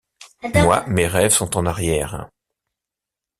Moi, mes rêves sont en arrière.